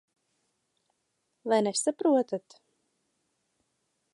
Vai nesaprotat?